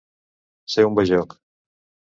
Ser un bajoc.